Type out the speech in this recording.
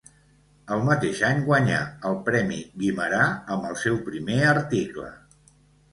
El mateix any guanyà el premi Guimerà amb el seu primer article.